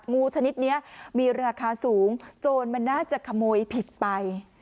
งูชนิดนี้มีราคาสูงโจรมันน่าจะขโมยผิดไป